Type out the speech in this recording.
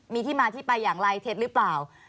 มีที่มาที่ไปอย่างไรเท็จหรือเปล่า